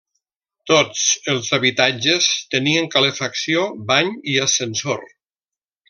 Tots els habitatges tenien calefacció, bany i ascensor.